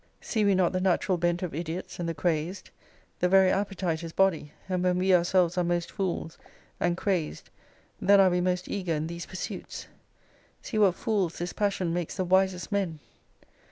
See we not the natural bent of idiots and the crazed? The very appetite is body; and when we ourselves are most fools, and crazed, then are we most eager in these pursuits. See what fools this passion makes the wisest men!